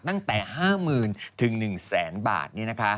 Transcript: ตั้งแต่๕หมื่นถึง๑แสนบาท